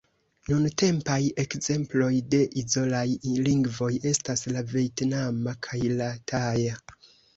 Nuntempaj ekzemploj de izolaj lingvoj estas la vjetnama kaj la taja.